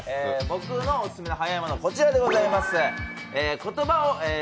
僕のオススメのはやいもの、こちらでございます。